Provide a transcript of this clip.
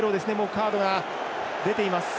カードが出ています。